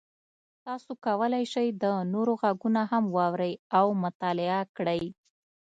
تاسو کولی شئ د نورو غږونه هم واورئ او مطالعه کړئ.